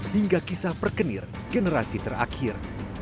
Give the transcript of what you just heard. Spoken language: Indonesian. hingga kisah perkenir generasi terakhir